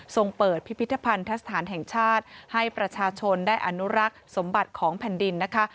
ส่งเปิดพิพิธภัณฑสถานแห่งชาติให้ประชาชนได้อนุรักษ์สมบัติของแผ่นดินนะคะ